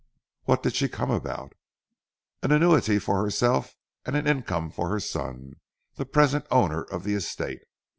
"What did she come about?" "An annuity for herself and an income for her son, the present owner of the estate.